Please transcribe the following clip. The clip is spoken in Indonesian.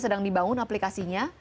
sedang dibangun aplikasinya